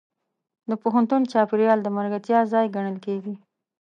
د پوهنتون چاپېریال د ملګرتیا ځای ګڼل کېږي.